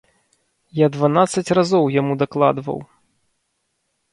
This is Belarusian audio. Я дванаццаць разоў яму дакладваў!